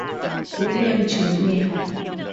William Jnr.